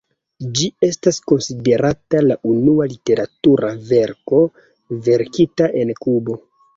Ĝi estas konsiderata la unua literatura verko verkita en Kubo.